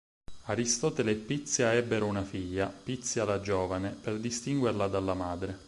Aristotele e Pizia ebbero una figlia, Pizia la Giovane per distinguerla dalla madre.